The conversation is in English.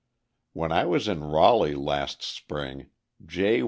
When I was in Raleigh last spring J.